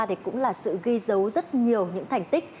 thì cũng là sự ghi dấu rất nhiều những thành tích